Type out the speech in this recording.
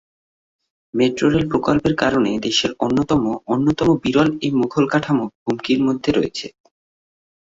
Metro rail প্রকল্পের কারণে দেশের অন্যতম অন্যতম বিরল এই মুঘল কাঠামো হুমকির মধ্যে রয়েছে।